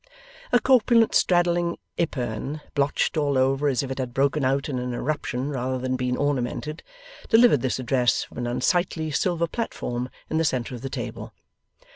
A corpulent straddling epergne, blotched all over as if it had broken out in an eruption rather than been ornamented, delivered this address from an unsightly silver platform in the centre of the table.